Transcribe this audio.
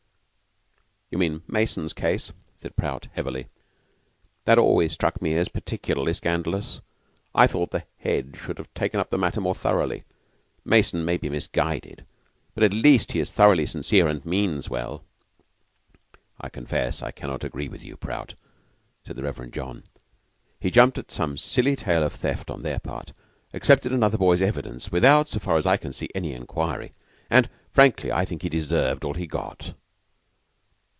"You mean Mason's case?" said Prout heavily. "That always struck me as peculiarly scandalous. I thought the Head should have taken up the matter more thoroughly. Mason may be misguided, but at least he is thoroughly sincere and means well." "I confess I cannot agree with you, Prout," said the Reverend John. "He jumped at some silly tale of theft on their part; accepted another boy's evidence without, so far as I can see, any inquiry; and frankly, I think he deserved all he got."